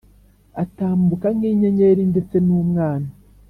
Atambuka nkinyenyeri ndetse numwana